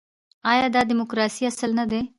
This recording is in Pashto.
آیا دا د ډیموکراسۍ اصل نه دی؟